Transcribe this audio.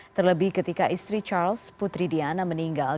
terlebih ketika istri charles putri diana meninggal